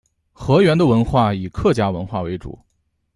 河源的文化以客家文化为主。